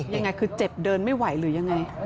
ยังไงคือเจ็บเดินไม่ไหวหรือยังไง